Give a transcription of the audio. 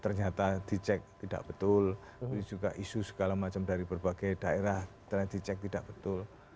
ternyata di cek tidak betul ini juga isu segala macam dari berbagai daerah ternyata di cek tidak betul